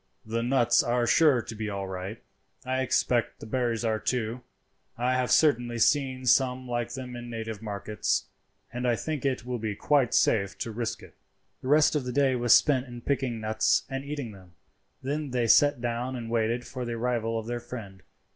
"The nuts are sure to be all right; I expect the berries are too. I have certainly seen some like them in native markets, and I think it will be quite safe to risk it." The rest of the day was spent in picking nuts and eating them. Then they sat down and waited for the arrival of their friend.